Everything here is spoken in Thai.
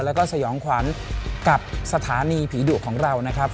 แล้วก็สยองขวัญกับสถานีผีดุของเรานะครับ